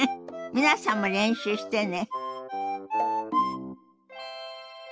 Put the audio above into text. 皆さんも練習してね。